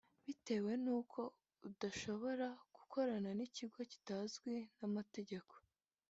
bitewe n’uko badashobora gukorana n’ikigo kitazwi n’amategeko